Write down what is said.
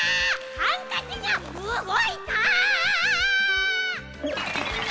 ハンカチがうごいた！